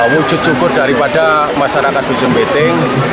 wujud syukur daripada masyarakat buzun beting